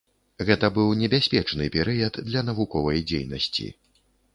Гэта быў небяспечны перыяд для навуковай дзейнасці.